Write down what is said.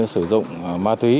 sử dụng ma túy